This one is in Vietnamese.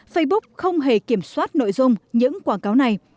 facebook không hề kiểm soát nội dung những quảng cáo này